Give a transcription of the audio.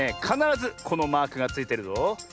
かならずこのマークがついてるぞ。